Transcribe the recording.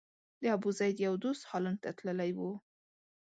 د ابوزید یو دوست هالند ته تللی و.